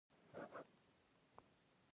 هغه خپلې ورځپاڼې په خلکو باندې وپلورلې.